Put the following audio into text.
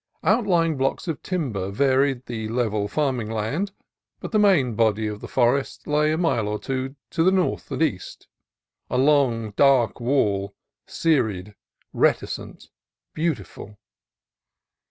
Outlying blocks of timber varied the level farming land, but the main body of the forest lay a mile or two to north and east, a long, dark wall, serried, reticent, beautiful.